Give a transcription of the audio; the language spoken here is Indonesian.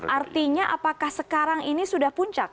artinya apakah sekarang ini sudah puncak